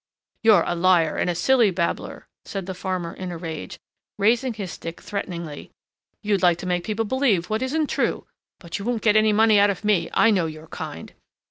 "You're a liar and a silly babbler!" said the farmer in a rage, raising his stick threateningly. "You'd like to make people believe what isn't true, but you won't get any money out of me: I know your kind!"